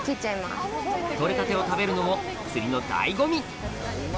獲れたてを食べるのも釣りの醍醐味！